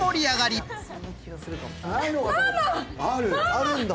あるんだ！